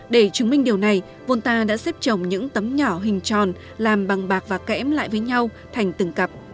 để chứng minh điều này volta đã xếp trồng những tấm nhỏ hình tròn làm bằng bạc và kẽm lại với nhau thành từng cặp